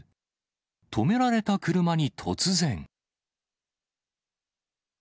止められた車に突然。